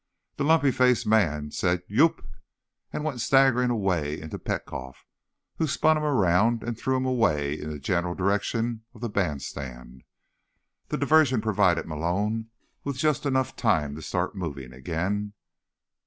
The lumpy faced man said "Yoop!" and went staggering away into Petkoff, who spun him around and threw him away in the general direction of the bandstand. The diversion provided Malone with just enough time to start moving again.